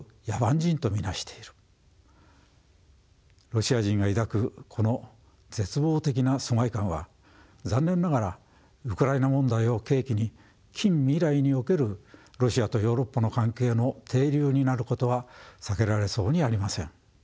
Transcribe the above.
ロシア人が抱くこの絶望的な疎外感は残念ながらウクライナ問題を契機に近未来におけるロシアとヨーロッパの関係の底流になることは避けられそうにありません。